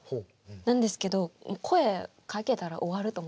なんですけど声かけたら終わると思って。